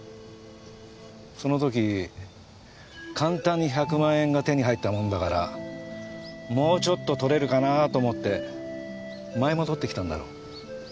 そのとき簡単に１００万円が手に入ったもんだからもうちょっととれるかなと思って舞い戻ってきたんだろ。